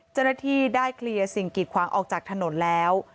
เจรฐีได้เคลียร์สิ่งกิจขวางออกจากถนนแล้ว